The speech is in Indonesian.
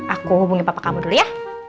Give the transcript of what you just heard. aku hubungi bapak kamu dulu ya